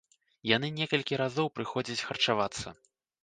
Яны некалькі разоў прыходзяць харчавацца.